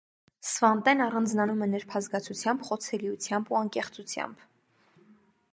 Սվանտեն առանձնանում է նրբազգացությամբ, խոցելիությամբ և անկեղծությամբ։